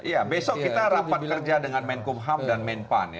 ya besok kita rapat kerja dengan menkumham dan menpan ya